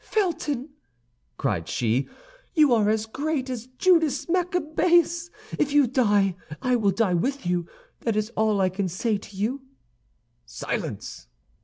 "Felton," cried she, "you are as great as Judas Maccabeus! If you die, I will die with you; that is all I can say to you." "Silence!"